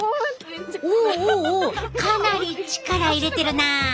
おおおかなり力入れてるなあ。